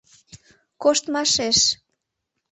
— Коштмашеш.